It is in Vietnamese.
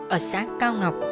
ở xã cao ngọc